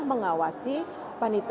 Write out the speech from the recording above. pengawasan yang penting